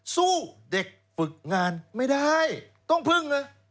สู้เด็กฝึกงานไม่ได้ต้องพึ่งเลย